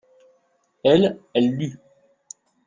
elle, elle lut.